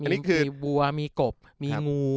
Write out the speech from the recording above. มีบัวมีกบมีงู